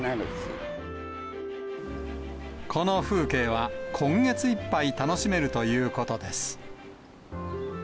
この風景は、今月いっぱい楽しめるということです。